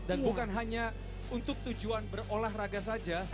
dan bukan hanya untuk tujuan berolahraga saja